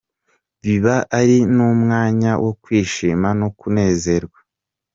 Biba ari n'umwanya wo kwishima no kunezerwa.